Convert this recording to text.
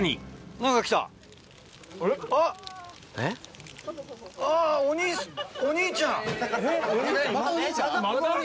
またお兄ちゃん？